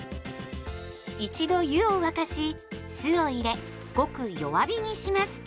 一度湯を沸かし酢を入れごく弱火にします。